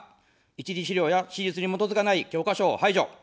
一次史料や史実に基づかない教科書を排除。